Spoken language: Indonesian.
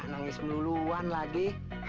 nangis melulu luan lagi